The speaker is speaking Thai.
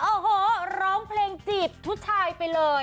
โอ้โหร้องเพลงจีบผู้ชายไปเลย